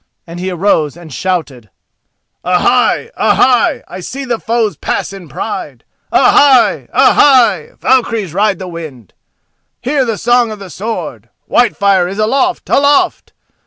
and he arose and shouted: "A! hai! A! hai! I see foes pass in pride! A! hai! A! hai! Valkyries ride the wind! Hear the song of the sword! Whitefire is aloft—aloft!